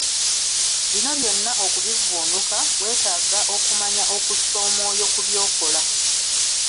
Bino byonna okubivvunuka, weetaaga okumanya okussa omwoyo ku by'okola.